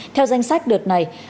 theo danh sách đợt này